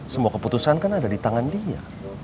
semua keputusan kan ada di tangan dia